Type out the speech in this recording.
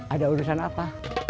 ada urusan apa